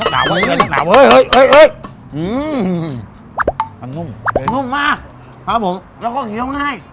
แดดอะไร